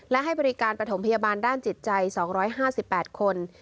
และให้บริการประถมพยาบาลด้านจิตใจ๒๕๘คน